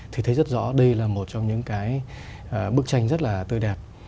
thì thấy rất rõ đây là một trong những bức tranh rất tươi đẹp